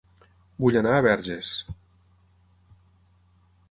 Vull anar a Verges